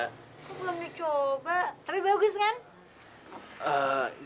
aku belum dicoba tapi bagus kan